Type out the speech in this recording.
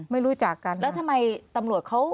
รู้จักกันแล้วทำไมตำรวจเขา